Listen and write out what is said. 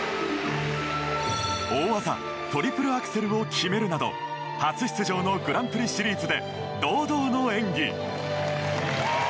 大技トリプルアクセルを決めるなど初出場のグランプリシリーズで堂々の演技。